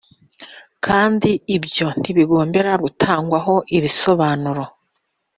kandi ibyo ntibigombera gutangwaho ibisobanuro